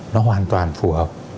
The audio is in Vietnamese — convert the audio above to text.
nó hoàn toàn phù hợp